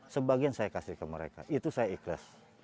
sebagian saya kasih ke mereka itu saya ikhlas